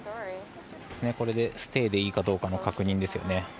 ステイでいいかどうかの確認ですね。